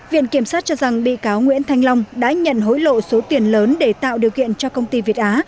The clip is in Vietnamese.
viện kiểm sát cho rằng bị cáo nguyễn thanh long đã nhận hối lộ số tiền lớn để tạo điều kiện cho công ty việt á